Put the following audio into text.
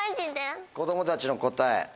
子供たちの答え。